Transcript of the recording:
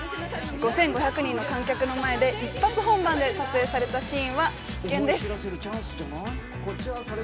５５００人の観客の前で一発本番で撮影されたシーンは必見です。